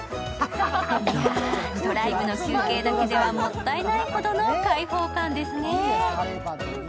ドライブの休憩だけではもったいないほどの開放感ですね。